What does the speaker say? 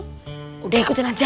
pak kita langsung berjuang aja ya